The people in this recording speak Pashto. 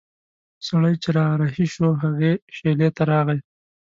سړی چې را رهي شو هغې شېلې ته راغی.